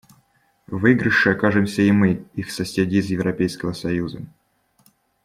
В выигрыше окажемся и мы, их соседи из Европейского союза.